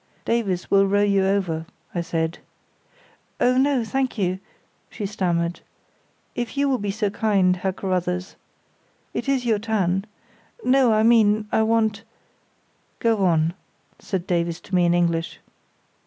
"Davies will row you over," I said. "Oh no, thank you," she stammered. "If you will be so kind, Herr Carruthers. It is your turn. No, I mean, I want——" "Go on," said Davies to me in English.